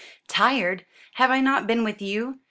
"Tired! Have I not been with you?